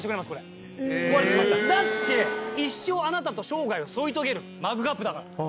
だって一生あなたと生涯を添い遂げるマグカップだから。